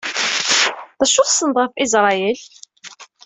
D acu i tessneḍ ɣef Israel?